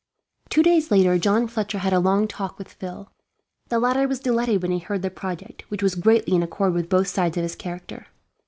Two days later, John Fletcher had a long talk with Phil. The latter was delighted when he heard the project, which was greatly in accord with both sides of his character.